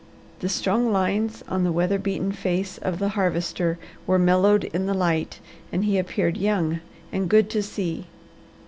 The strong lines on the weather beaten face of the Harvester were mellowed in the light, and he appeared young and good to see.